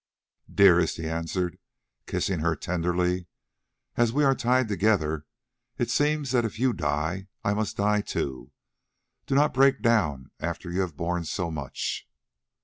"Dearest," he answered, kissing her tenderly, "as we are tied together, it seems that if you die I must die too. Do not break down now after you have borne so much."